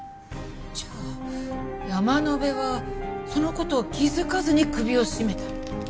じゃあ山野辺はその事を気づかずに首を絞めた。